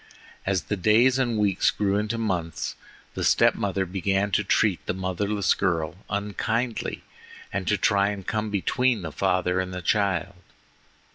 As the days and weeks grew into months, the step mother began to treat the motherless girl unkindly and to try and come between the father and child.